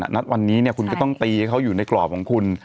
ณวันนี้คุณก็ต้องตีให้เขาอยู่ในกรอบของคุณ